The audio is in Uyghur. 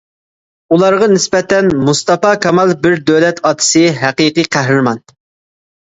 ئۇلارغا نىسبەتەن مۇستاپا كامال بىر دۆلەت ئاتىسى، ھەقىقىي قەھرىمان.